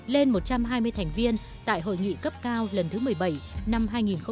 lên một trăm hai mươi thành viên tại hội nghị cấp cao lần thứ một mươi bảy năm hai nghìn một mươi tám